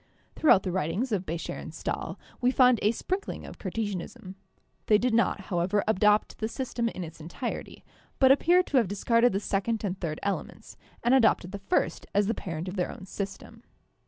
Throughout the writings of Becher and Stahl we find a sprinkling of Cartesianism; they did not, however, adopt the system in its entirety, but appear to have discarded the second and third elements, and adopted the first as the parent of their own system.